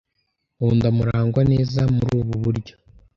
Nkunda Murangwa neza murubu buryo.